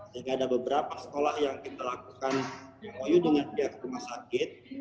jadi ada beberapa sekolah yang kita lakukan yang ada dengan pihak rumah sakit